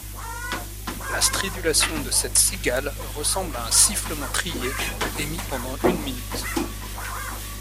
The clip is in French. La stridulation de cette cigale ressemble à un sifflement trillé, émis pendant une minute.